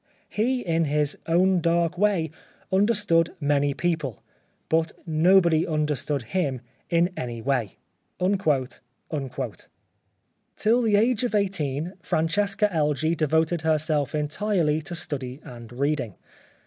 He — in his own dark way — understood many people ; but nobody understood him in any way.' " Till the age of eighteen Francesca Elgee de voted herself entirely to study and reading.